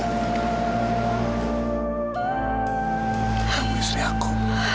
kamu istri aku